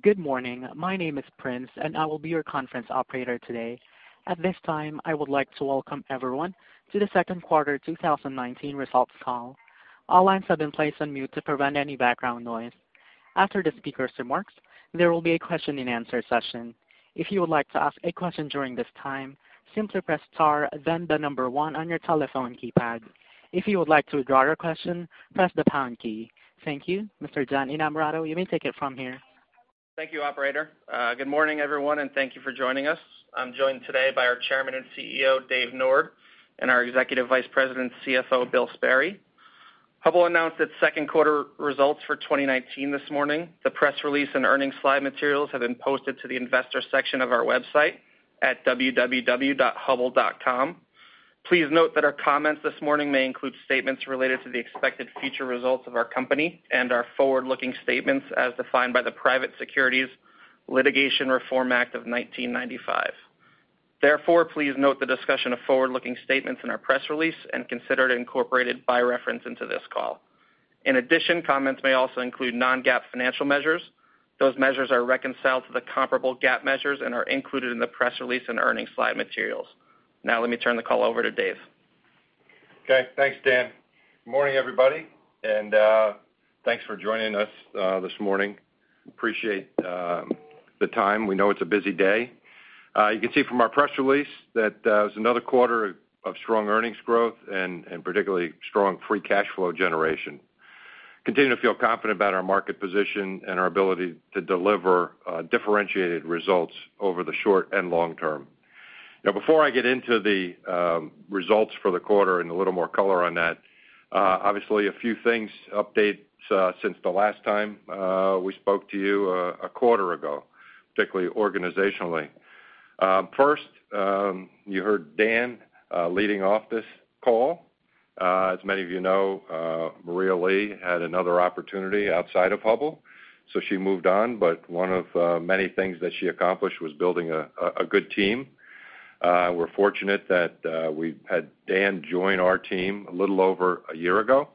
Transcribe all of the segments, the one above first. Good morning. My name is Prince, and I will be your conference operator today. At this time, I would like to welcome everyone to the second quarter 2019 results call. All lines have been placed on mute to prevent any background noise. After the speakers' remarks, there will be a question and answer session. If you would like to ask a question during this time, simply press star, the number 1 on your telephone keypad. If you would like to withdraw your question, press the pound key. Thank you. Mr. Dan Innamorato, you may take it from here. Thank you, operator. Good morning, everyone, and thank you for joining us. I'm joined today by our Chairman and CEO, Dave Nord, and our Executive Vice President, CFO, Bill Sperry. Hubbell announced its second quarter results for 2019 this morning. The press release and earning slide materials have been posted to the investor section of our website at www.hubbell.com. Please note that our comments this morning may include statements related to the expected future results of our company and are forward-looking statements as defined by the Private Securities Litigation Reform Act of 1995. Therefore, please note the discussion of forward-looking statements in our press release and consider it incorporated by reference into this call. In addition, comments may also include non-GAAP financial measures. Those measures are reconciled to the comparable GAAP measures and are included in the press release and earning slide materials. Now, let me turn the call over to Dave. Okay. Thanks, Dan. Morning, everybody, and thanks for joining us this morning. Appreciate the time. We know it's a busy day. You can see from our press release that it was another quarter of strong earnings growth and particularly strong free cash flow generation. Continue to feel confident about our market position and our ability to deliver differentiated results over the short and long term. Now, before I get into the results for the quarter and a little more color on that, obviously a few things, updates since the last time we spoke to you a quarter ago, particularly organizationally. First, you heard Dan leading off this call. As many of you know, Maria Lee had another opportunity outside of Hubbell, so she moved on, but one of many things that she accomplished was building a good team. We're fortunate that we had Dan join our team a little over a year ago.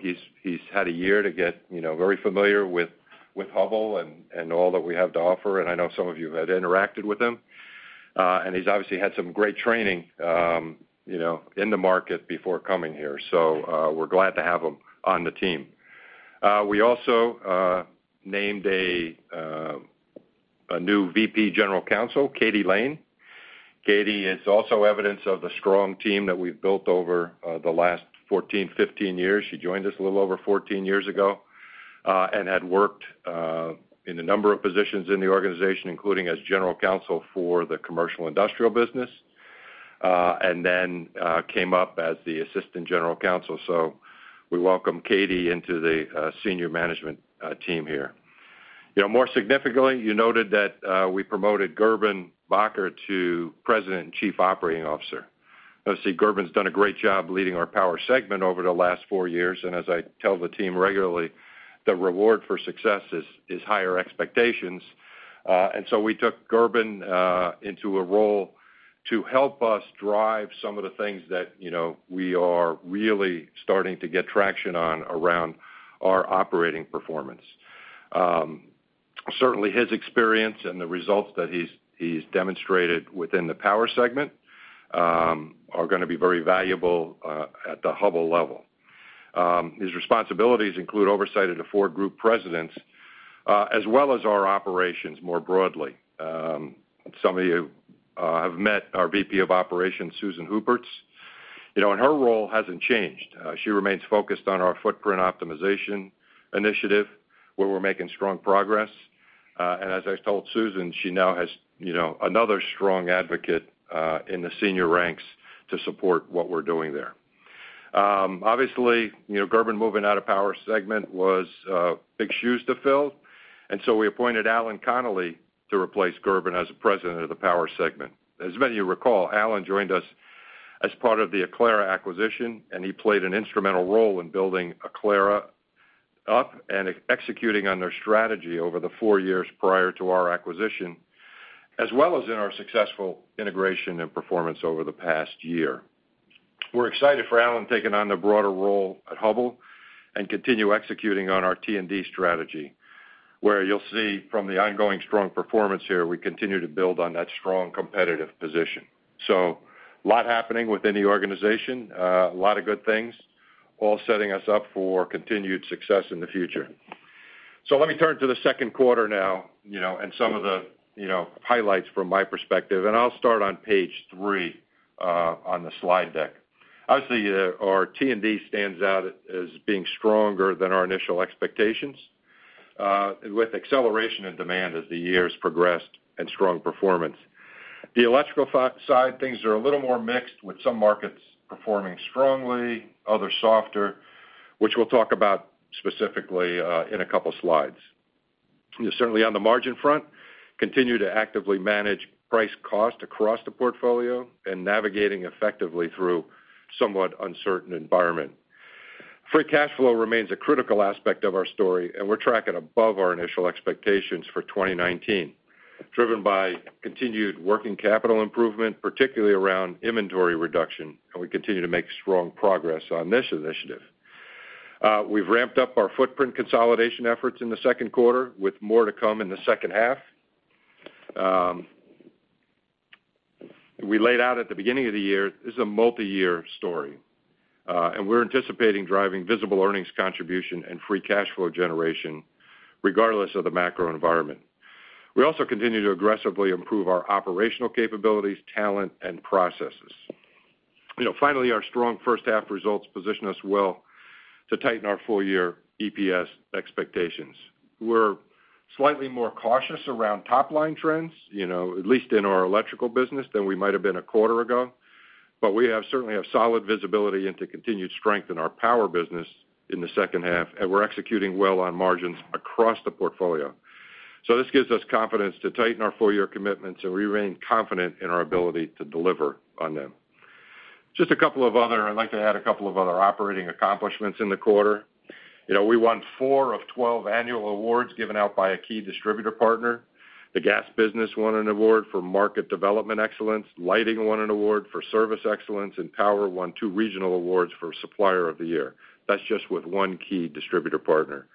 He's had a year to get very familiar with Hubbell and all that we have to offer, and I know some of you have interacted with him. He's obviously had some great training in the market before coming here, so we're glad to have him on the team. We also named a new VP General Counsel, Katie Lane. Katie is also evidence of the strong team that we've built over the last 14, 15 years. She joined us a little over 14 years ago, and had worked in a number of positions in the organization, including as general counsel for the commercial industrial business, and then came up as the assistant general counsel. We welcome Katie into the senior management team here. More significantly, you noted that we promoted Gerben Bakker to President and Chief Operating Officer. Obviously, Gerben's done a great job leading our power segment over the last four years, and as I tell the team regularly, the reward for success is higher expectations. We took Gerben into a role to help us drive some of the things that we are really starting to get traction on around our operating performance. Certainly, his experience and the results that he's demonstrated within the power segment are going to be very valuable at the Hubbell level. His responsibilities include oversight of the four group presidents, as well as our operations more broadly. Some of you have met our VP of Operations, Susan Huppertz, and her role hasn't changed. She remains focused on our Footprint Optimization Initiative, where we're making strong progress. As I've told Susan, she now has another strong advocate in the senior ranks to support what we're doing there. Obviously, Gerben moving out of power segment was big shoes to fill, so we appointed Allan Connolly to replace Gerben as the president of the power segment. As many of you recall, Allan joined us as part of the Aclara acquisition, he played an instrumental role in building Aclara up and executing on their strategy over the four years prior to our acquisition, as well as in our successful integration and performance over the past year. We're excited for Allan taking on the broader role at Hubbell and continue executing on our T&D strategy, where you'll see from the ongoing strong performance here, we continue to build on that strong competitive position. A lot happening within the organization. A lot of good things, all setting us up for continued success in the future. Let me turn to the second quarter now and some of the highlights from my perspective, and I'll start on page three on the slide deck. Obviously, our T&D stands out as being stronger than our initial expectations, with acceleration in demand as the years progressed and strong performance. The electrical side, things are a little more mixed, with some markets performing strongly, others softer, which we'll talk about specifically in a couple slides. Certainly on the margin front, continue to actively manage price cost across the portfolio and navigating effectively through somewhat uncertain environment. Free cash flow remains a critical aspect of our story, and we're tracking above our initial expectations for 2019, driven by continued working capital improvement, particularly around inventory reduction. We continue to make strong progress on this initiative. We've ramped up our footprint consolidation efforts in the second quarter, with more to come in the second half. We laid out at the beginning of the year, this is a multi-year story. We're anticipating driving visible earnings contribution and free cash flow generation regardless of the macro environment. We also continue to aggressively improve our operational capabilities, talent, and processes. Finally, our strong first half results position us well to tighten our full-year EPS expectations. We're slightly more cautious around top-line trends, at least in our electrical business, than we might have been a quarter ago. We certainly have solid visibility into continued strength in our power business in the second half, and we're executing well on margins across the portfolio. This gives us confidence to tighten our full-year commitments, and we remain confident in our ability to deliver on them. I'd like to add a couple of other operating accomplishments in the quarter. We won four of 12 annual awards given out by a key distributor partner. The gas business won an award for market development excellence, lighting won an award for service excellence, Power won two regional awards for supplier of the year. That's just with one key distributor partner.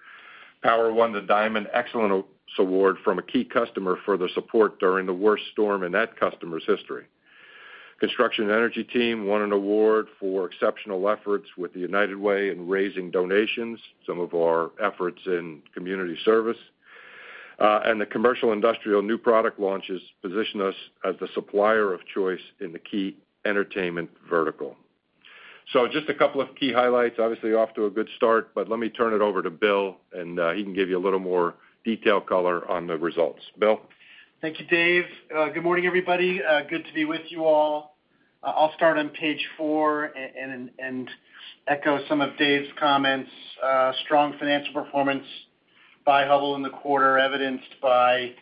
Power won the Diamond Excellence Award from a key customer for their support during the worst storm in that customer's history. The construction and energy team won an award for exceptional efforts with the United Way in raising donations, some of our efforts in community service. The commercial industrial new product launches position us as the supplier of choice in the key entertainment vertical. Just a couple of key highlights. Obviously off to a good start, but let me turn it over to Bill and he can give you a little more detailed color on the results. Bill? Thank you, Dave. Good morning, everybody. Good to be with you all. I'll start on page four and echo some of Dave's comments. Strong financial performance by Hubbell in the quarter, evidenced by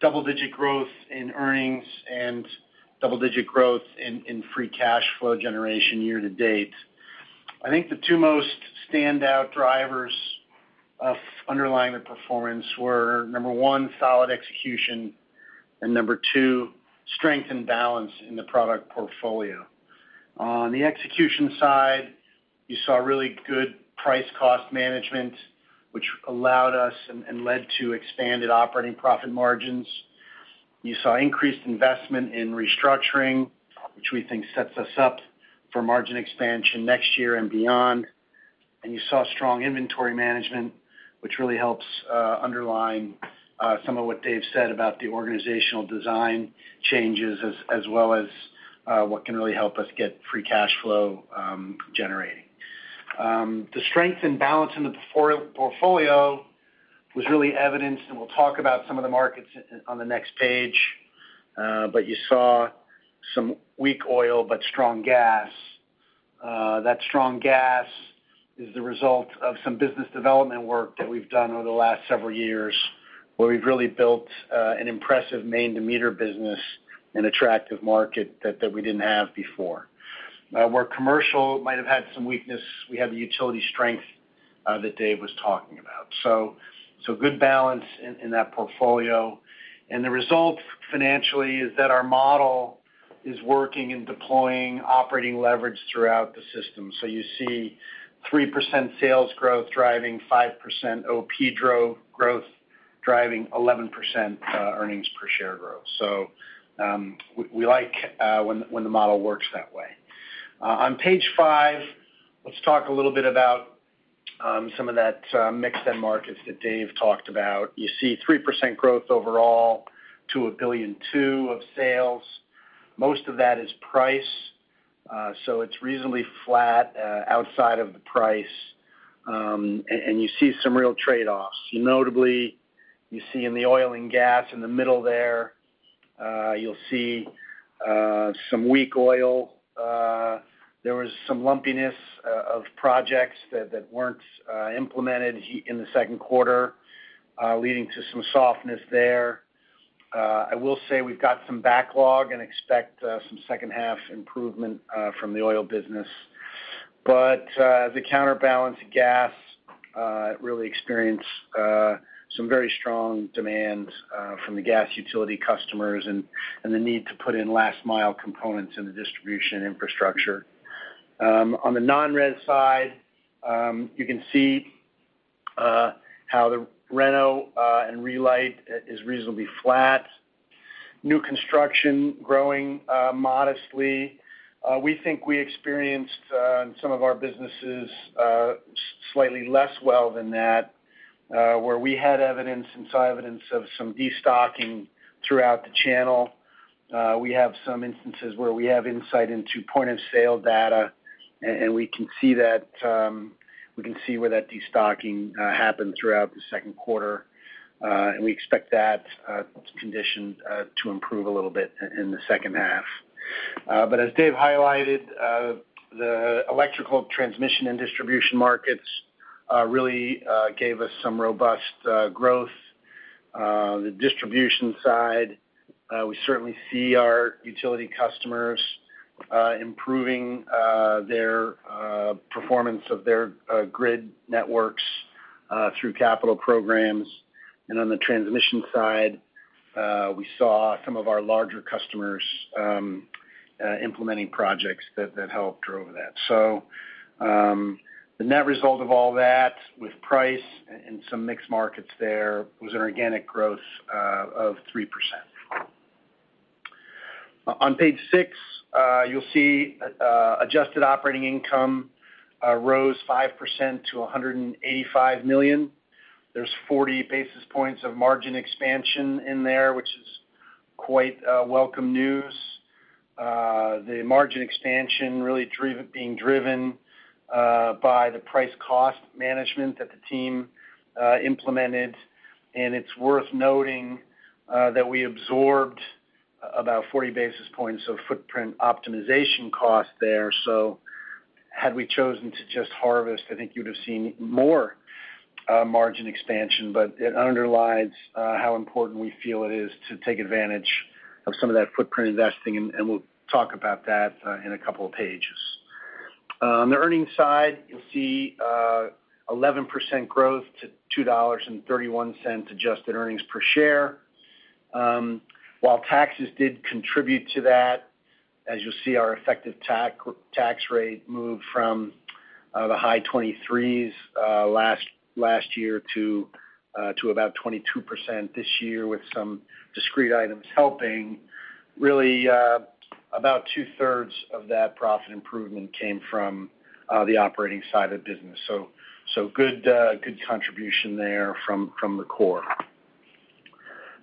double-digit growth in earnings and double-digit growth in free cash flow generation year to date. I think the two most standout drivers underlying the performance were, number one, solid execution, and number two, strength and balance in the product portfolio. On the execution side, you saw really good price-cost management, which allowed us and led to expanded operating profit margins. You saw increased investment in restructuring, which we think sets us up for margin expansion next year and beyond. You saw strong inventory management, which really helps underline some of what Dave said about the organizational design changes, as well as what can really help us get free cash flow generating. The strength and balance in the portfolio was really evidenced. We'll talk about some of the markets on the next page. You saw some weak oil, but strong gas. That strong gas is the result of some business development work that we've done over the last several years, where we've really built an impressive main-to-meter business and attractive market that we didn't have before. Where commercial might have had some weakness, we have the utility strength that Dave was talking about. Good balance in that portfolio. The result financially is that our model is working and deploying operating leverage throughout the system. You see 3% sales growth driving 5% OP growth, driving 11% earnings per share growth. We like when the model works that way. On page five, let's talk a little bit about some of that mix in markets that Dave talked about. You see 3% growth overall to $1.2 billion of sales. Most of that is price. It's reasonably flat outside of the price. You see some real trade-offs. Notably, you see in the oil and gas in the middle there, you'll see some weak oil. There was some lumpiness of projects that weren't implemented in the second quarter, leading to some softness there. I will say we've got some backlog and expect some second half improvement from the oil business. The counterbalance gas really experienced some very strong demand from the gas utility customers and the need to put in last mile components in the distribution infrastructure. On the non-res side, you can see how the reno and relight is reasonably flat. New construction growing modestly. We think we experienced some of our businesses slightly less well than that, where we had evidence and saw evidence of some de-stocking throughout the channel. We have some instances where we have insight into point-of-sale data, and we can see where that de-stocking happened throughout the second quarter. We expect that condition to improve a little bit in the second half. As Dave highlighted, the electrical transmission and distribution markets really gave us some robust growth. On the distribution side, we certainly see our utility customers improving their performance of their grid networks through capital programs. On the transmission side, we saw some of our larger customers implementing projects that helped drove that. The net result of all that with price and some mixed markets there was an organic growth of 3%. On page six, you'll see adjusted operating income rose 5% to $185 million. There's 40 basis points of margin expansion in there, which is quite welcome news. The margin expansion really being driven by the price cost management that the team implemented. It's worth noting that we absorbed about 40 basis points of footprint optimization cost there. Had we chosen to just harvest, I think you'd have seen more margin expansion, but it underlines how important we feel it is to take advantage of some of that footprint investing, and we'll talk about that in a couple of pages. On the earnings side, you'll see 11% growth to $2.31 adjusted earnings per share. While taxes did contribute to that, as you'll see, our effective tax rate moved from the high 23s last year to about 22% this year, with some discrete items helping. Really, about two-thirds of that profit improvement came from the operating side of the business. Good contribution there from the core.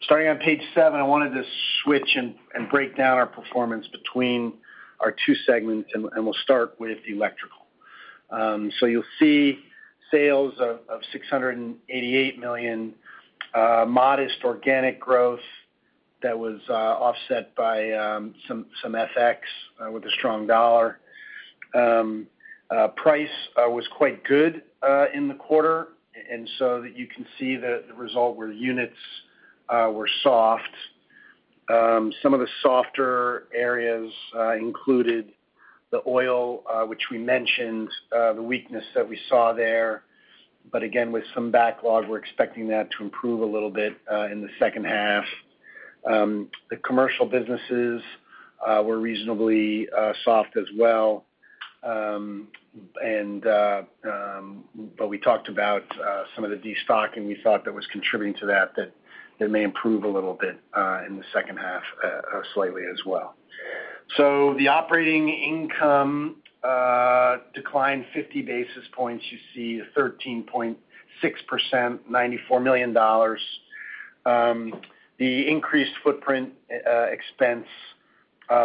Starting on page seven, I wanted to switch and break down our performance between our two segments, and we'll start with the electrical. You'll see sales of $688 million, modest organic growth that was offset by some FX with a strong dollar. Price was quite good in the quarter, you can see the result where units were soft. Some of the softer areas included the oil, which we mentioned, the weakness that we saw there. Again, with some backlog, we're expecting that to improve a little bit in the second half. The commercial businesses were reasonably soft as well, but we talked about some of the de-stocking we thought that was contributing to that may improve a little bit in the second half slightly as well. The operating income declined 50 basis points. You see 13.6%, $94 million. The increased footprint expense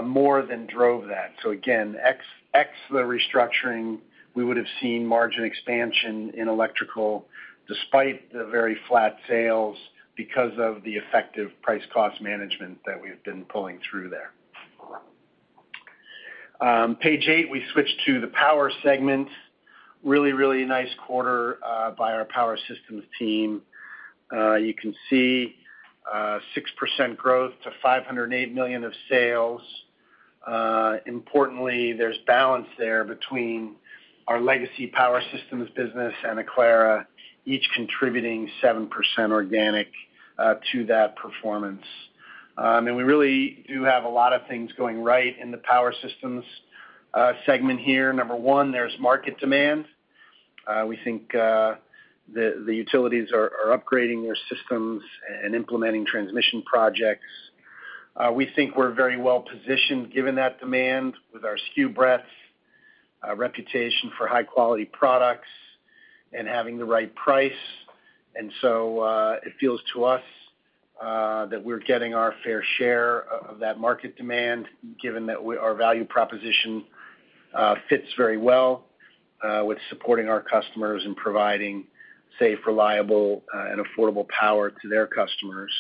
more than drove that. Again, x the restructuring, we would have seen margin expansion in Electrical despite the very flat sales because of the effective price cost management that we've been pulling through there. Page 8, we switch to the Power segment. Really nice quarter by our Power Systems team. You can see 6% growth to $508 million of sales. Importantly, there's balance there between our legacy Power Systems business and Aclara, each contributing 7% organic to that performance. We really do have a lot of things going right in the Power Systems segment here. Number one, there's market demand. We think the utilities are upgrading their systems and implementing transmission projects. We think we're very well-positioned given that demand with our SKU breadth, our reputation for high-quality products, and having the right price. It feels to us that we're getting our fair share of that market demand, given that our value proposition fits very well with supporting our customers and providing safe, reliable, and affordable power to their customers.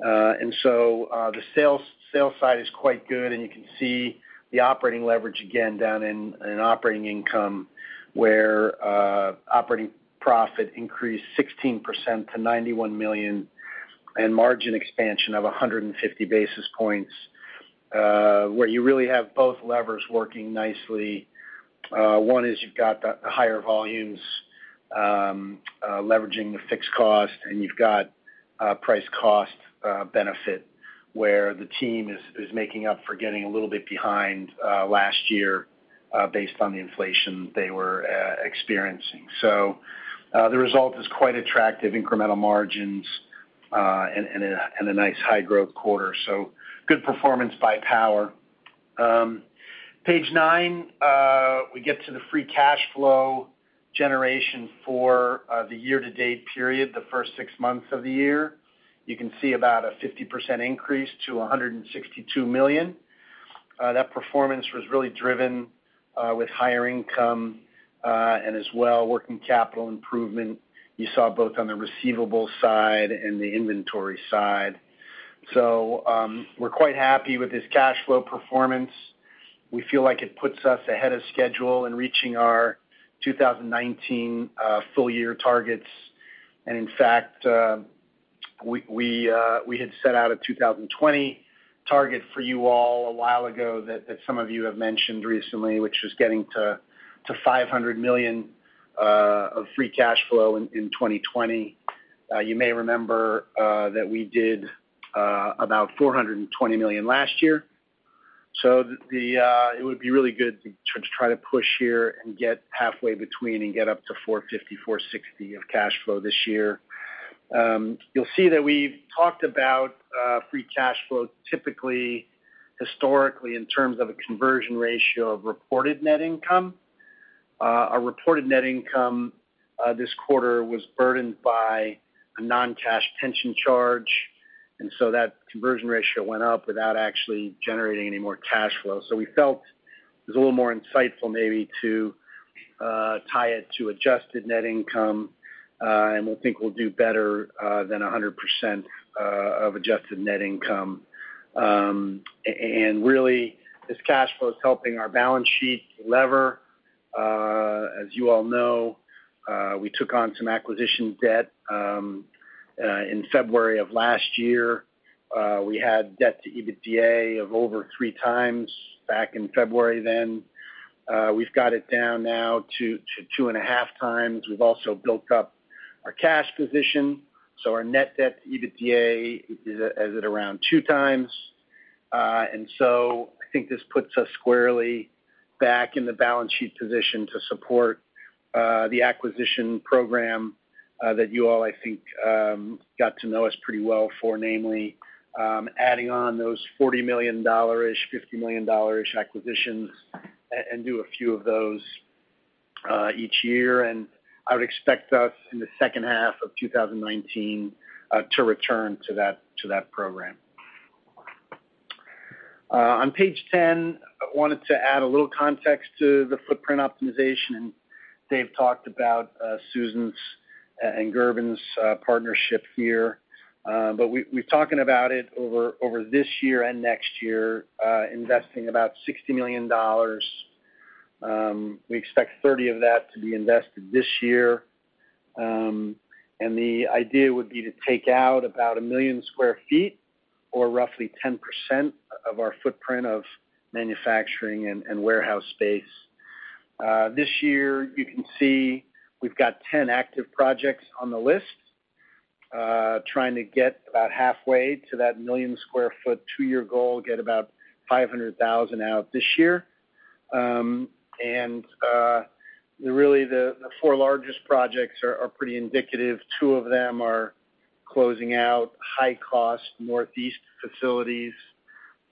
The sales side is quite good, and you can see the operating leverage again down in operating income, where operating profit increased 16% to $91 million and margin expansion of 150 basis points, where you really have both levers working nicely. One is you've got the higher volumes leveraging the fixed cost, and you've got price cost benefit, where the team is making up for getting a little bit behind last year based on the inflation they were experiencing. The result is quite attractive incremental margins and a nice high-growth quarter. Good performance by Power. Page nine, we get to the free cash flow generation for the year-to-date period, the first six months of the year. You can see about a 50% increase to $162 million. That performance was really driven with higher income and as well working capital improvement you saw both on the receivable side and the inventory side. We're quite happy with this cash flow performance. We feel like it puts us ahead of schedule in reaching our 2019 full year targets. In fact, we had set out a 2020 target for you all a while ago that some of you have mentioned recently, which was getting to $500 million of free cash flow in 2020. You may remember that we did about $420 million last year. It would be really good to try to push here and get halfway between and get up to $450-$460 of cash flow this year. You'll see that we've talked about free cash flow typically, historically, in terms of a conversion ratio of reported net income. Our reported net income this quarter was burdened by a non-cash pension charge. That conversion ratio went up without actually generating any more cash flow. We felt it was a little more insightful maybe to tie it to adjusted net income, and we think we'll do better than 100% of adjusted net income. Really, this cash flow is helping our balance sheet lever. As you all know, we took on some acquisition debt in February of last year. We had debt to EBITDA of over 3 times back in February then. We've got it down now to 2.5 times. We've also built up our cash position. Our net debt to EBITDA is at around 2 times. I think this puts us squarely back in the balance sheet position to support the acquisition program that you all, I think, got to know us pretty well for, namely, adding on those $40 million-ish, $50 million-ish acquisitions, and do a few of those each year. I would expect us in the second half of 2019 to return to that program. On page 10, I wanted to add a little context to the footprint optimization. Dave talked about Susan's and Gerben's partnership here. We're talking about it over this year and next year, investing about $60 million. We expect 30 of that to be invested this year. The idea would be to take out about 1 million square feet or roughly 10% of our footprint of manufacturing and warehouse space. This year, you can see we've got 10 active projects on the list, trying to get about halfway to that million square foot, two-year goal, get about 500,000 out this year. Really, the four largest projects are pretty indicative. Two of them are closing out high-cost Northeast facilities.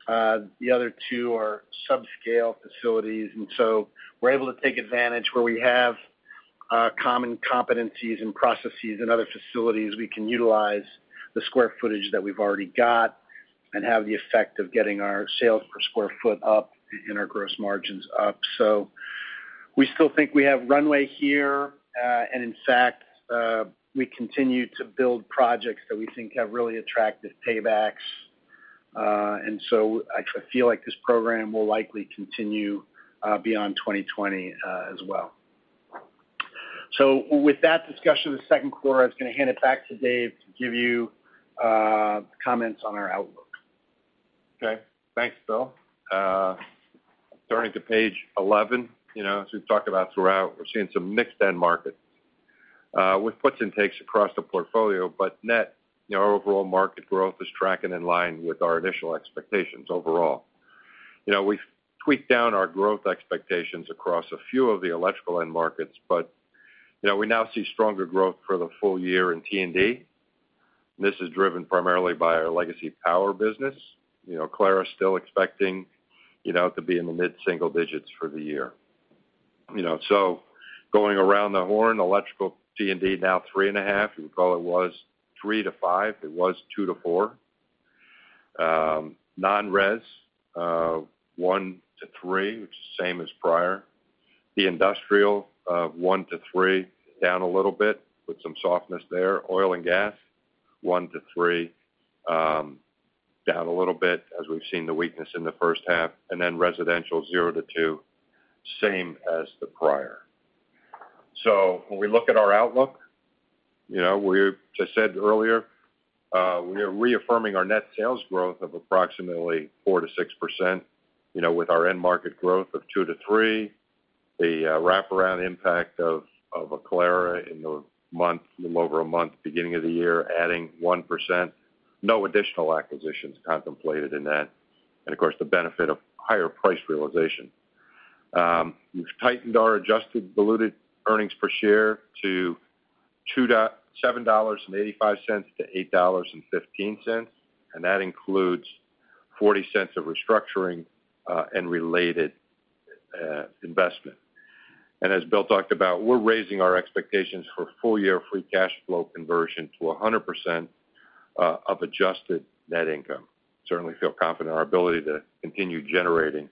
The other two are subscale facilities. We're able to take advantage where we have common competencies and processes in other facilities. We can utilize the square footage that we've already got and have the effect of getting our sales per square foot up and our gross margins up. We still think we have runway here. In fact, we continue to build projects that we think have really attractive paybacks. I feel like this program will likely continue beyond 2020 as well. With that discussion of the second quarter, I was going to hand it back to Dave to give you comments on our outlook. Okay. Thanks, Bill. Turning to page 11, as we've talked about throughout, we're seeing some mixed end markets. Net, our overall market growth is tracking in line with our initial expectations overall. We've tweaked down our growth expectations across a few of the electrical end markets, we now see stronger growth for the full year in T&D. This is driven primarily by our legacy power business. Aclara is still expecting to be in the mid-single digits for the year. Going around the horn, electrical T&D now 3.5%. You recall it was 3%-5%. It was 2%-4%. Non-res, 1%-3%, which is the same as prior. The industrial, 1%-3%, down a little bit with some softness there. Oil and gas, 1%-3%, down a little bit as we've seen the weakness in the first half. Residential, 0%-2%, same as the prior. When we look at our outlook, we just said earlier, we are reaffirming our net sales growth of approximately 4%-6%, with our end market growth of 2%-3%. The wraparound impact of Aclara in the over a month beginning of the year, adding 1%. No additional acquisitions contemplated in that. Of course, the benefit of higher price realization. We've tightened our adjusted diluted earnings per share to $7.85-$8.15, and that includes $0.40 of restructuring and related investment. As Bill talked about, we're raising our expectations for full-year free cash flow conversion to 100% of adjusted net income. Certainly feel confident in our ability to continue generating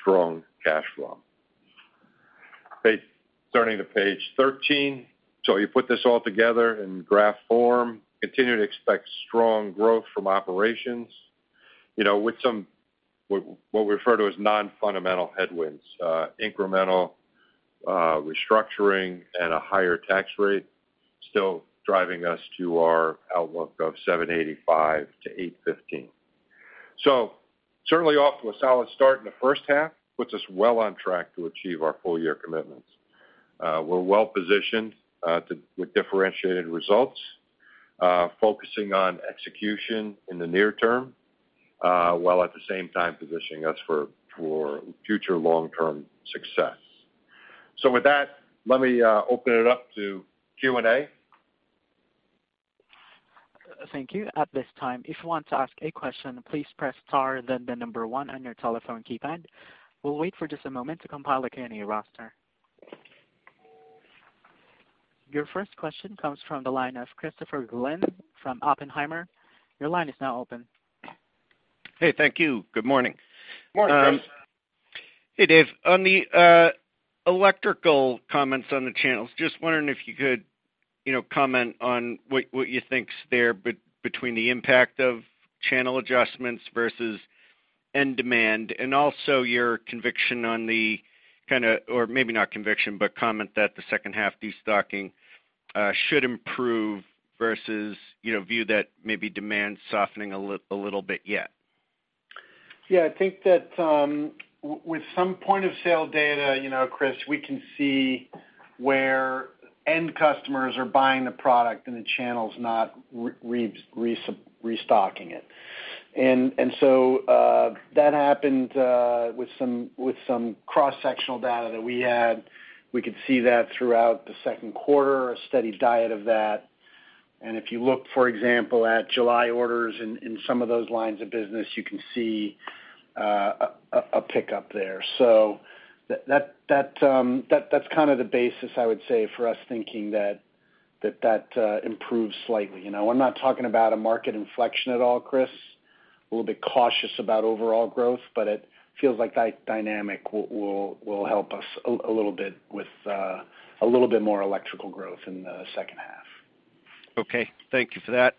strong cash flow. Turning to page 13. You put this all together in graph form. Continue to expect strong growth from operations. With what we refer to as non-fundamental headwinds, incremental restructuring and a higher tax rate, still driving us to our outlook of $7.85 to $8.15. Certainly off to a solid start in the first half, puts us well on track to achieve our full year commitments. We're well-positioned with differentiated results, focusing on execution in the near term, while at the same time positioning us for future long-term success. With that, let me open it up to Q&A. Thank you. At this time, if you want to ask a question, please press star then the number one on your telephone keypad. We'll wait for just a moment to compile a Q&A roster. Your first question comes from the line of Christopher Glynn from Oppenheimer. Your line is now open. Hey, thank you. Good morning. Morning, Chris. Hey, Dave. On the electrical comments on the channels, just wondering if you could comment on what you think is there between the impact of channel adjustments versus end demand, and also your conviction on or maybe not conviction, but comment that the second half de-stocking should improve versus view that maybe demand softening a little bit yet. I think that with some point-of-sale data, Chris, we can see where end customers are buying the product and the channel's not restocking it. That happened with some cross-sectional data that we had. We could see that throughout the second quarter, a steady diet of that. If you look, for example, at July orders in some of those lines of business, you can see a pick-up there. That's kind of the basis, I would say, for us thinking that improves slightly. I'm not talking about a market inflection at all, Chris. A little bit cautious about overall growth, but it feels like that dynamic will help us a little bit with a little bit more electrical growth in the second half. Okay. Thank you for that.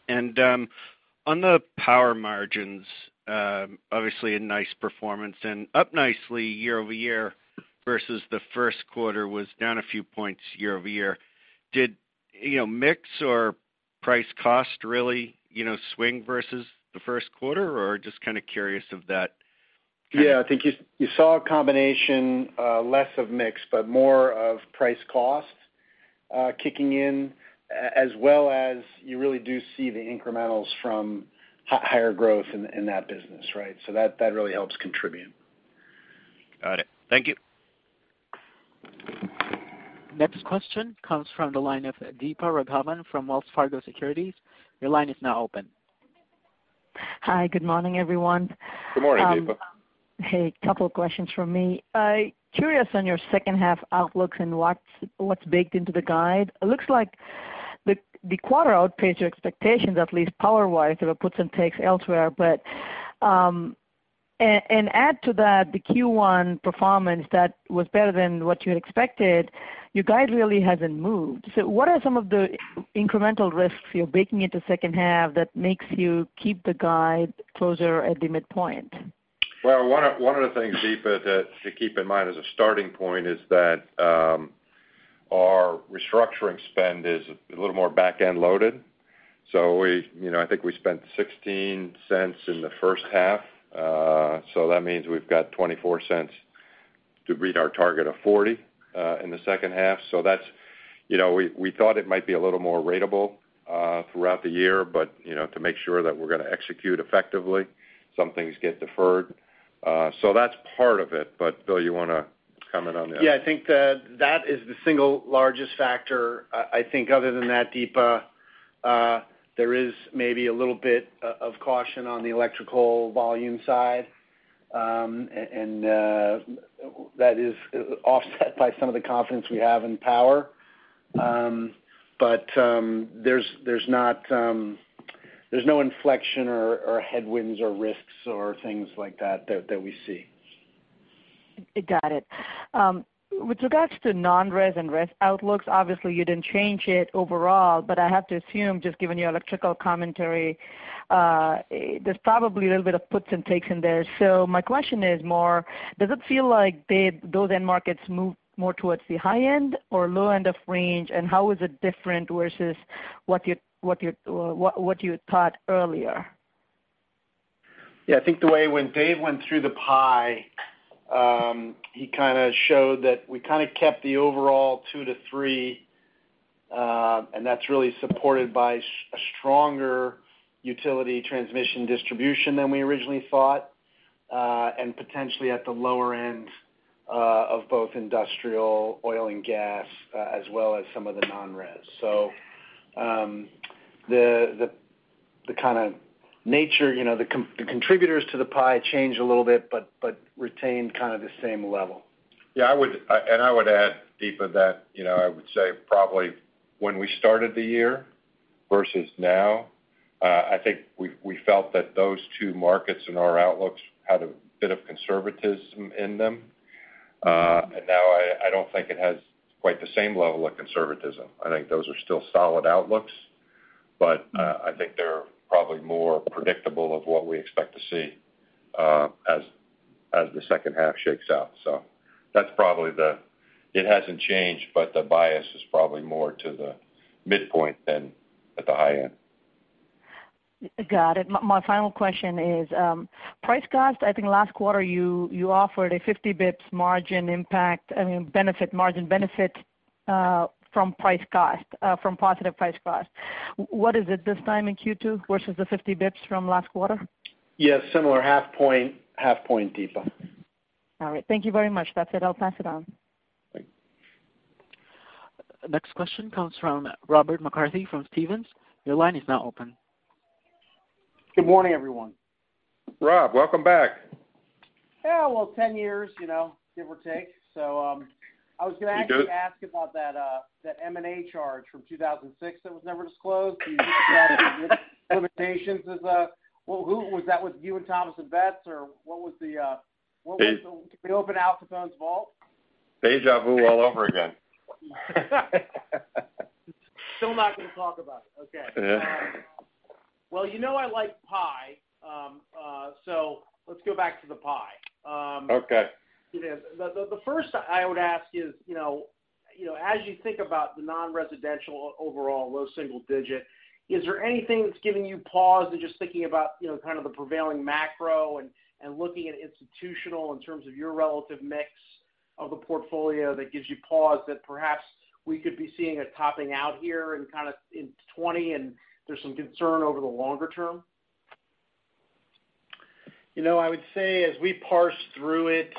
On the power margins, obviously a nice performance and up nicely year-over-year versus the first quarter was down a few points year-over-year. Did mix or price cost really swing versus the first quarter? Yeah, I think you saw a combination, less of mix, but more of price cost kicking in, as well as you really do see the incrementals from higher growth in that business, right? That really helps contribute. Got it. Thank you. Next question comes from the line of Deepa Raghavan from Wells Fargo Securities. Your line is now open. Hi, good morning, everyone. Good morning, Deepa. Hey, couple of questions from me. Curious on your second half outlooks and what's baked into the guide. It looks like the quarter outpaced your expectations, at least power-wise, there were puts and takes elsewhere. Add to that, the Q1 performance that was better than what you had expected, your guide really hasn't moved. What are some of the incremental risks you're baking into second half that makes you keep the guide closer at the midpoint? One of the things, Deepa, to keep in mind as a starting point is that our restructuring spend is a little more back-end loaded. I think we spent $0.16 in the first half. That means we've got $0.24 to read our target of $0.40 in the second half. We thought it might be a little more ratable throughout the year, but to make sure that we're going to execute effectively, some things get deferred. That's part of it. Bill, you want to comment on that? Yeah, I think that is the single largest factor. I think other than that, Deepa, there is maybe a little bit of caution on the electrical volume side, and that is offset by some of the confidence we have in power. But there's no inflection or headwinds or risks or things like that that we see. Got it. With regards to non-res and res outlooks, obviously you didn't change it overall, but I have to assume, just given your electrical commentary, there's probably a little bit of puts and takes in there. My question is more, does it feel like those end markets move more towards the high end or low end of range, and how is it different versus what you thought earlier? Yeah, I think the way when Dave went through the pie, he kind of showed that we kind of kept the overall 2-3. That's really supported by a stronger utility transmission distribution than we originally thought, and potentially at the lower end of both industrial oil and gas, as well as some of the non-res. The kind of nature, the contributors to the pie changed a little bit, but retained kind of the same level. Yeah, I would add, Deepa, that I would say probably when we started the year versus now, I think we felt that those two markets in our outlooks had a bit of conservatism in them. Now I don't think it has quite the same level of conservatism. I think those are still solid outlooks, I think they're probably more predictable of what we expect to see as the second half shakes out. It hasn't changed, the bias is probably more to the midpoint than at the high end. Got it. My final question is, price cost, I think last quarter you offered a 50 basis points margin impact, I mean, margin benefit from positive price cost. What is it this time in Q2 versus the 50 basis points from last quarter? Yes, similar half point, Deepa. All right. Thank you very much. That's it. I'll pass it on. Thanks. Next question comes from Robert McCarthy from Stephens. Your line is now open. Good morning, everyone. Rob, welcome back. Yeah. Well, 10 years, give or take. You good? I was going to actually ask about that M&A charge from 2006 that was never disclosed. Was that with you and Thomas & Betts, or did we open Alcatel's vault? Deja vu all over again. Still not going to talk about it. Okay. Yeah. You know I like pie. Let's go back to the pie. Okay. The first I would ask is, as you think about the non-residential overall low single digit, is there anything that's giving you pause to just thinking about the prevailing macro and looking at institutional in terms of your relative mix of the portfolio that gives you pause, that perhaps we could be seeing a topping out here in 2020, and there's some concern over the longer term? I would say as we parse through it,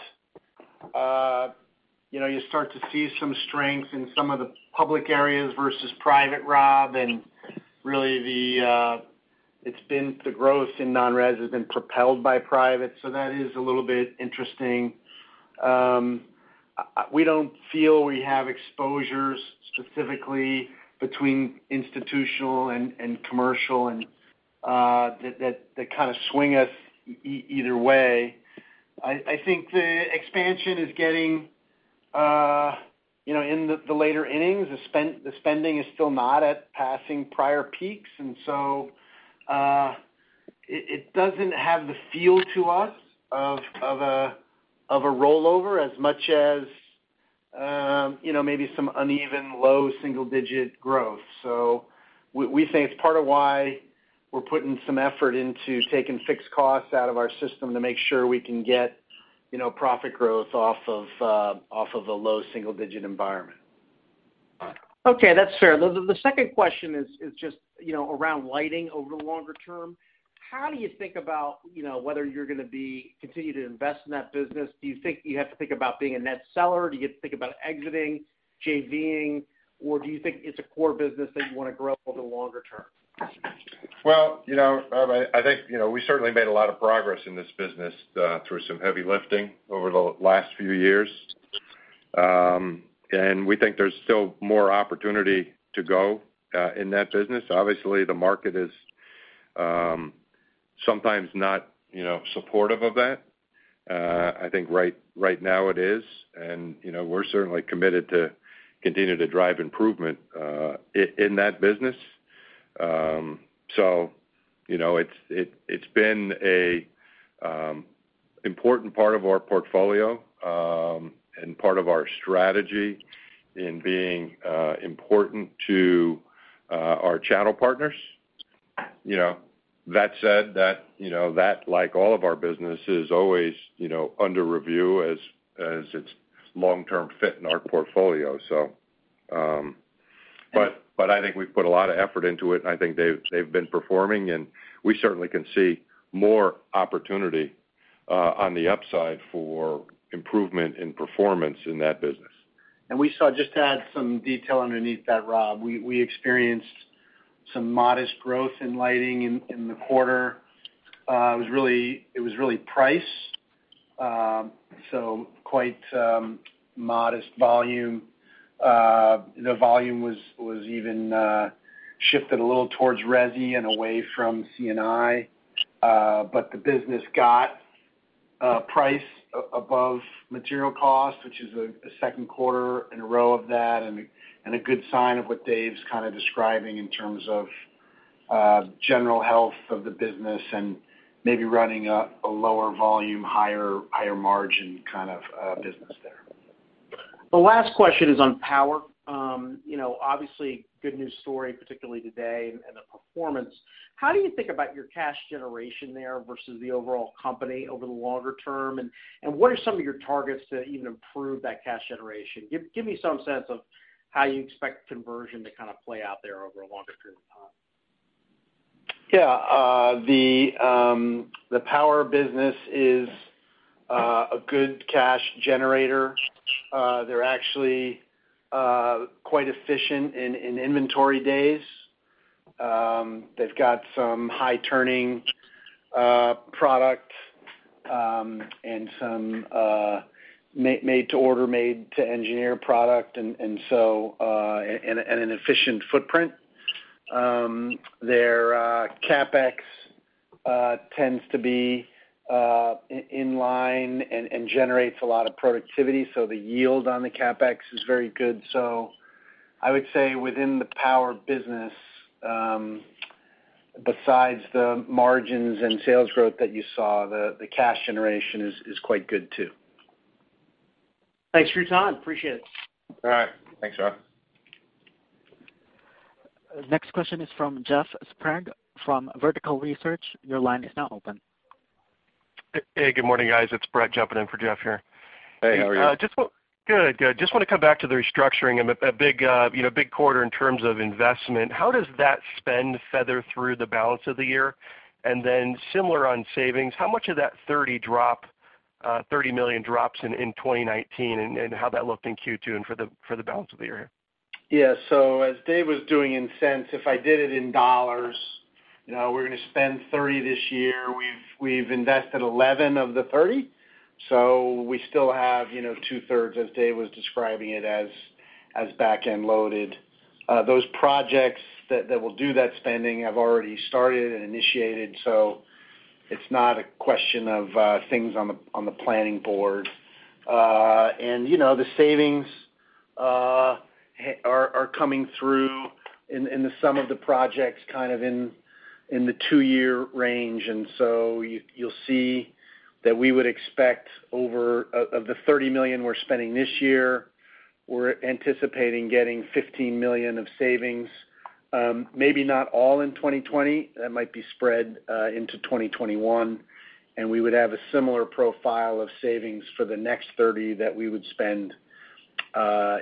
you start to see some strength in some of the public areas versus private, Rob, and really the growth in non-res has been propelled by private. That is a little bit interesting. We don't feel we have exposures specifically between institutional and commercial that kind of swing us either way. I think the expansion is getting in the later innings. The spending is still not at passing prior peaks, and so it doesn't have the feel to us of a rollover as much as maybe some uneven low single-digit growth. We think it's part of why we're putting some effort into taking fixed costs out of our system to make sure we can get profit growth off of a low single-digit environment. That's fair. The second question is just around lighting over the longer term. How do you think about whether you're going to continue to invest in that business? Do you think you have to think about being a net seller? Do you have to think about exiting, JV-ing, or do you think it's a core business that you want to grow over the longer term? Well, Rob, I think we certainly made a lot of progress in this business through some heavy lifting over the last few years. We think there's still more opportunity to go in that business. Obviously, the market is sometimes not supportive of that. I think right now it is, and we're certainly committed to continue to drive improvement in that business. It's been an important part of our portfolio and part of our strategy in being important to our channel partners. That said, that, like all of our businesses, always under review as its long-term fit in our portfolio. I think we've put a lot of effort into it, and I think they've been performing, and we certainly can see more opportunity on the upside for improvement in performance in that business. We saw, just to add some detail underneath that, Rob, we experienced some modest growth in lighting in the quarter. It was really price, so quite modest volume. The volume was even shifted a little towards resi and away from C&I. The business got price above material cost, which is a second quarter in a row of that, and a good sign of what Dave's kind of describing in terms of general health of the business and maybe running a lower volume, higher margin kind of business there. The last question is on power. Obviously, good news story, particularly today and the performance. How do you think about your cash generation there versus the overall company over the longer term, and what are some of your targets to even improve that cash generation? Give me some sense of how you expect conversion to kind of play out there over a longer period of time. Yeah. The power business is a good cash generator. They're actually quite efficient in inventory days. They've got some high-turning product. Some made to order, made to engineer product, and an efficient footprint. Their CapEx tends to be in line and generates a lot of productivity, so the yield on the CapEx is very good. I would say within the power business, besides the margins and sales growth that you saw, the cash generation is quite good, too. Thanks for your time. Appreciate it. All right. Thanks, Rob. Next question is from Jeff Sprague from Vertical Research. Your line is now open. Hey, good morning, guys. It's Brett jumping in for Jeff here. Hey, how are you? Good. Just want to come back to the restructuring. A big quarter in terms of investment. How does that spend feather through the balance of the year? Similar on savings, how much of that $30 million drops in 2019, and how that looked in Q2 and for the balance of the year? As Dave was doing in cents, if I did it in dollars, we're going to spend $30 million this year. We've invested $11 million of the $30 million, we still have two-thirds, as Dave was describing it, as back-end loaded. Those projects that will do that spending have already started and initiated, it's not a question of things on the planning board. The savings are coming through in the sum of the projects kind of in the two-year range. You'll see that we would expect of the $30 million we're spending this year, we're anticipating getting $15 million of savings. Maybe not all in 2020. That might be spread into 2021, we would have a similar profile of savings for the next $30 million that we would spend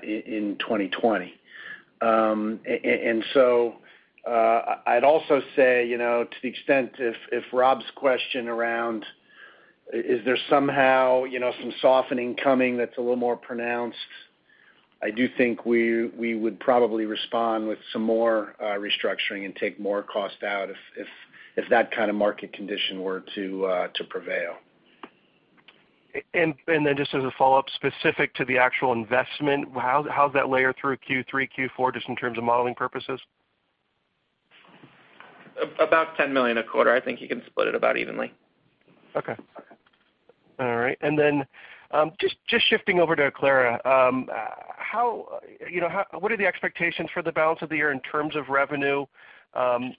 in 2020. I'd also say, to the extent if Rob's question around is there somehow some softening coming that's a little more pronounced, I do think we would probably respond with some more restructuring and take more cost out if that kind of market condition were to prevail. Then just as a follow-up specific to the actual investment, how does that layer through Q3, Q4, just in terms of modeling purposes? About $10 million a quarter. I think you can split it about evenly. Okay. All right. Just shifting over to Aclara. What are the expectations for the balance of the year in terms of revenue?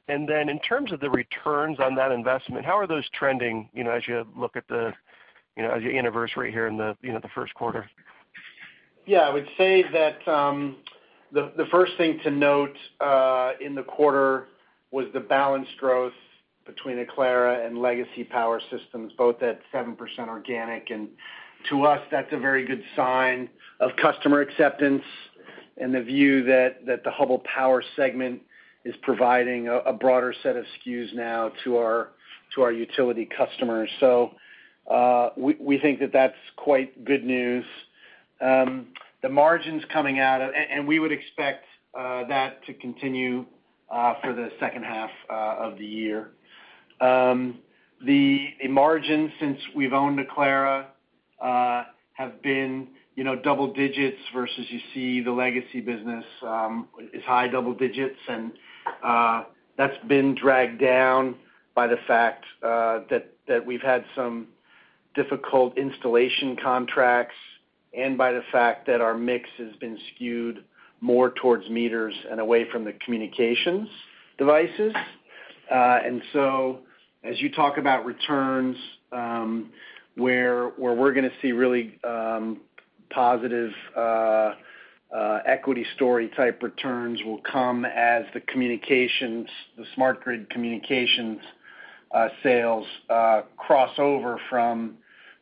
In terms of the returns on that investment, how are those trending as you look at your anniversary here in the first quarter? Yeah. I would say that the first thing to note in the quarter was the balanced growth between Aclara and legacy Hubbell Power Systems, both at 7% organic. To us, that's a very good sign of customer acceptance and the view that the Hubbell power segment is providing a broader set of SKUs now to our utility customers. We think that that's quite good news. The margins coming out, we would expect that to continue for the second half of the year. The margin since we've owned Aclara have been double digits versus you see the legacy business is high double digits, that's been dragged down by the fact that we've had some difficult installation contracts and by the fact that our mix has been skewed more towards meters and away from the communications devices. As you talk about returns, where we're going to see really positive equity story type returns will come as the smart grid communications sales cross over from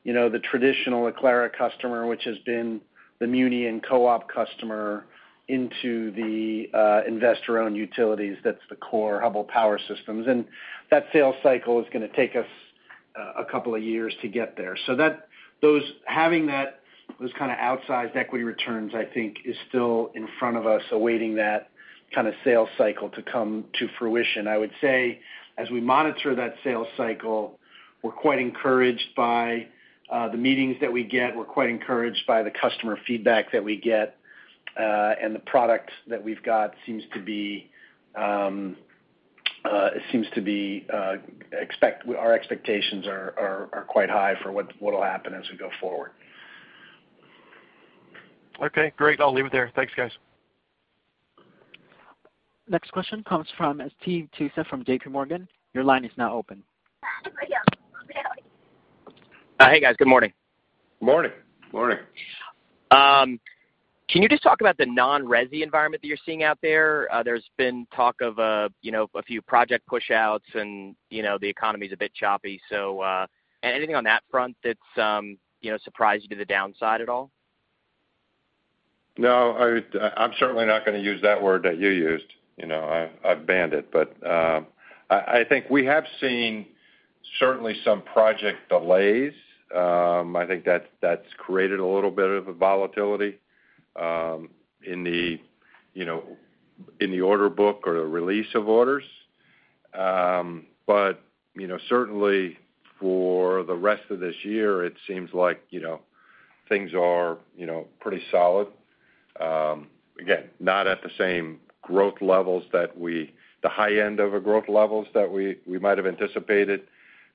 the traditional Aclara customer, which has been the muni and co-op customer, into the investor-owned utilities, that's the core Hubbell Power Systems. That sales cycle is going to take us a couple of years to get there. Having those kind of outsized equity returns, I think is still in front of us, awaiting that kind of sales cycle to come to fruition. I would say as we monitor that sales cycle, we're quite encouraged by the meetings that we get. We're quite encouraged by the customer feedback that we get. The product that we've got seems to be our expectations are quite high for what'll happen as we go forward. Okay, great. I'll leave it there. Thanks, guys. Next question comes from Steve Tusa from JPMorgan. Your line is now open. Hey, guys. Good morning. Morning. Morning. Can you just talk about the non-resi environment that you're seeing out there? There's been talk of a few project push-outs, and the economy's a bit choppy, so anything on that front that's surprised you to the downside at all? No, I'm certainly not going to use that word that you used. I've banned it. I think we have seen certainly some project delays. I think that's created a little bit of volatility in the order book or the release of orders. Certainly for the rest of this year, it seems like things are pretty solid. Again, not at the same growth levels, the high end of growth levels that we might have anticipated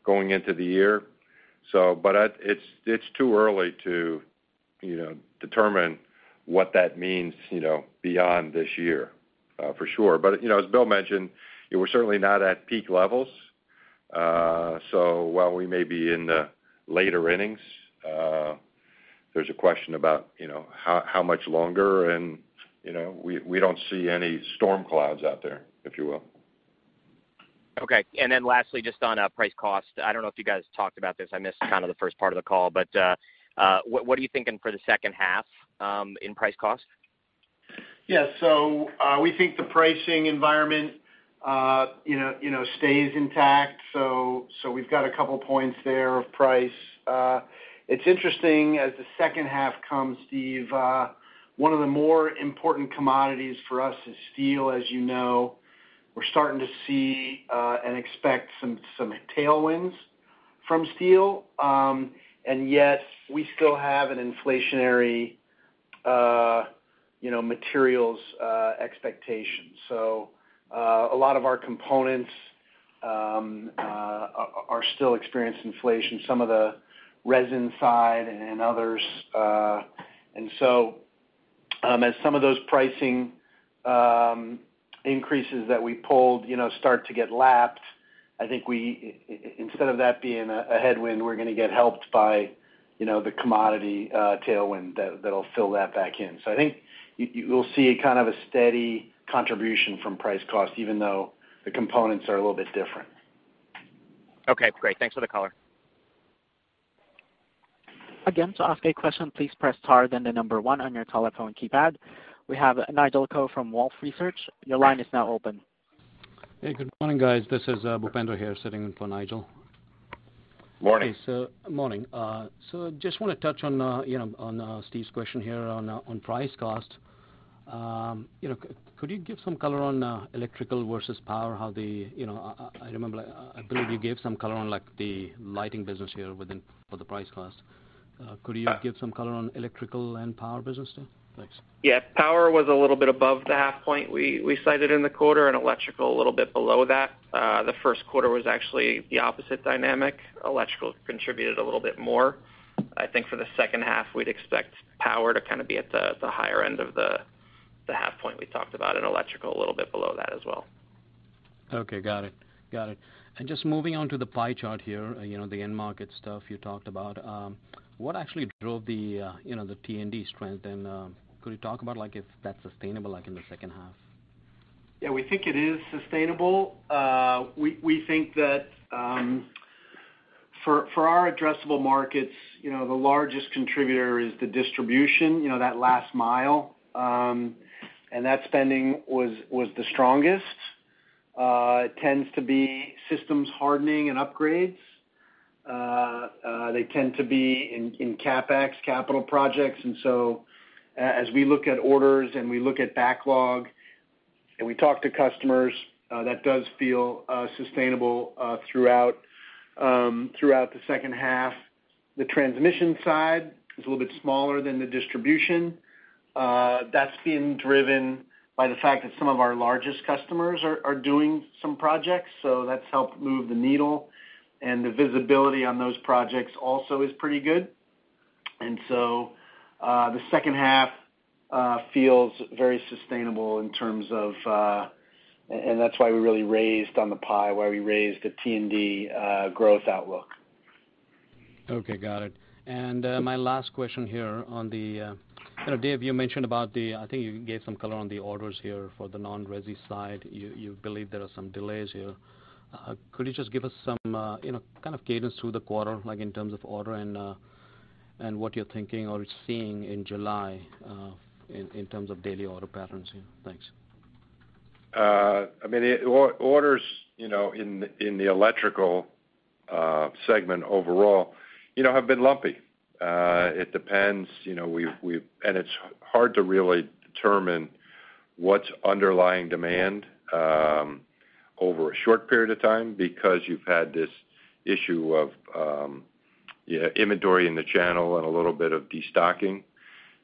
going into the year. It's too early to determine what that means beyond this year, for sure. As Bill mentioned, we're certainly not at peak levels. While we may be in the later innings, there's a question about how much longer, and we don't see any storm clouds out there, if you will. Okay. Lastly, just on price cost. I don't know if you guys talked about this. I missed the first part of the call. What are you thinking for the second half in price cost? Yeah. We think the pricing environment stays intact. We've got a couple points there of price. It's interesting as the second half comes, Steve, one of the more important commodities for us is steel, as you know. We're starting to see, and expect some tailwinds from steel. Yet we still have an inflationary materials expectation. A lot of our components are still experiencing inflation, some of the resin side and others. As some of those pricing increases that we pulled start to get lapped, I think instead of that being a headwind, we're going to get helped by the commodity tailwind that'll fill that back in. I think you'll see a steady contribution from price cost, even though the components are a little bit different. Okay, great. Thanks for the color. Again, to ask a question, please press star then one on your telephone keypad. We have Nigel Coe from Wolfe Research. Your line is now open. Hey, good morning, guys. This is Bhupender here sitting in for Nigel. Morning. Morning. Just want to touch on Steve's question here on price cost. Could you give some color on electrical versus power? I believe you gave some color on the lighting business here within for the price cost. Could you give some color on electrical and power business, Steve? Thanks. Yeah. Power was a little bit above the half point we cited in the quarter, and Electrical a little bit below that. The first quarter was actually the opposite dynamic. Electrical contributed a little bit more. I think for the second half, we'd expect Power to be at the higher end of the half point we talked about, and Electrical a little bit below that as well. Okay, got it. Just moving on to the pie chart here, the end market stuff you talked about. What actually drove the T&D strength? Could you talk about if that's sustainable in the second half? Yeah, we think it is sustainable. We think that for our addressable markets, the largest contributor is the distribution, that last mile. That spending was the strongest. It tends to be systems hardening and upgrades. They tend to be in CapEx capital projects. As we look at orders and we look at backlog and we talk to customers, that does feel sustainable throughout the second half. The transmission side is a little bit smaller than the distribution. That's being driven by the fact that some of our largest customers are doing some projects, so that's helped move the needle, and the visibility on those projects also is pretty good. The second half feels very sustainable. That's why we really raised on the pie, why we raised the T&D growth outlook. Okay, got it. My last question here. Dave, you mentioned about the, I think you gave some color on the orders here for the non-resi side. You believe there are some delays here. Could you just give us some kind of guidance through the quarter, in terms of order and what you're thinking or seeing in July, in terms of daily order patterns here? Thanks. Orders in the electrical segment overall have been lumpy. It depends, and it's hard to really determine what's underlying demand over a short period of time because you've had this issue of inventory in the channel and a little bit of destocking.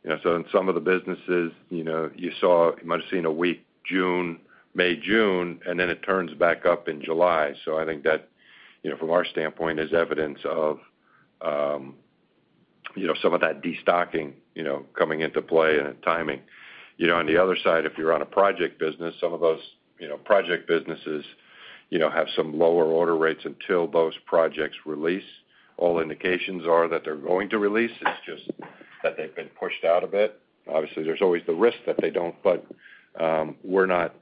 In some of the businesses, you might've seen a weak June, May-June, and then it turns back up in July. I think that from our standpoint is evidence of some of that destocking coming into play and timing. On the other side, if you're on a project business, some of those project businesses have some lower order rates until those projects release. All indications are that they're going to release, it's just that they've been pushed out a bit. Obviously, there's always the risk that they don't, but we're not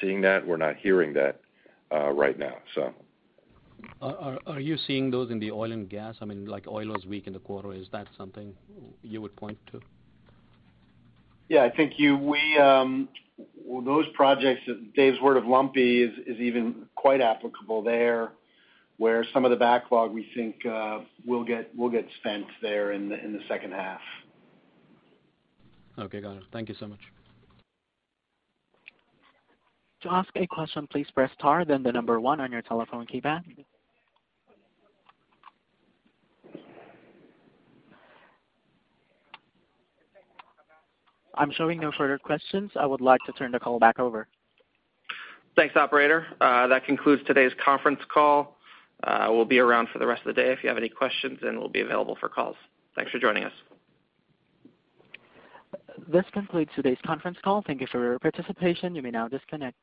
seeing that, we're not hearing that right now. Are you seeing those in the oil and gas? Oil was weak in the quarter. Is that something you would point to? Yeah, I think those projects that Dave's word of lumpy is even quite applicable there, where some of the backlog we think will get spent there in the second half. Okay, got it. Thank you so much. To ask a question, please press star then the number one on your telephone keypad. I'm showing no further questions. I would like to turn the call back over. Thanks, operator. That concludes today's conference call. We'll be around for the rest of the day if you have any questions, and we'll be available for calls. Thanks for joining us. This concludes today's conference call. Thank you for your participation. You may now disconnect.